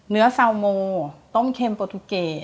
เนื้อสาวโมต้มเค็มปลูตุเกต